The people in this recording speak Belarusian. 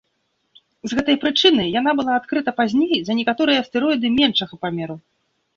З гэтай прычыны яна была адкрыта пазней за некаторыя астэроіды меншага памеру.